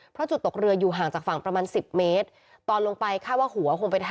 เพราะจุดตกเรืออยู่ห่างจากฝั่งประมาณ๑๐เมตรตอนลงไปคาดว่าหัวคงเป็น